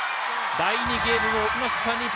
第２ゲームを落としました、日本。